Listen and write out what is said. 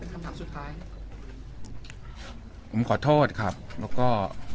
คำถามสุดท้ายผมขอโทษครับแล้วก็